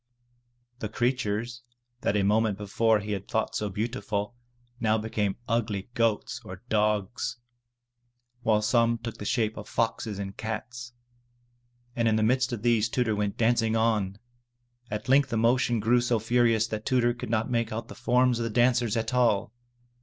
The creatures that a moment before he had thought so beautiful, now became ugly goats or dogs, while some took the shape of foxes and cats. And in the midst of these Tudur went dancing on! At length the motion grew so furious that Tudur could not make out the forms of the dancers at all.